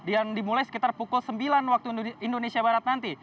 yang dimulai sekitar pukul sembilan waktu indonesia barat nanti